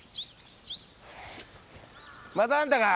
またあんたか。